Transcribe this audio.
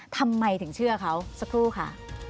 ทำไมถึงเชื่อเขาสักครู่ค่ะ